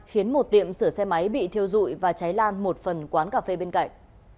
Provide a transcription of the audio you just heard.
khiến một tiệm sửa xe máy bị thiêu dụi và cháy lan một phần quán cà phê bên cạnh